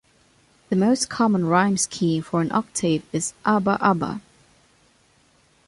The most common rhyme scheme for an octave is "abba abba".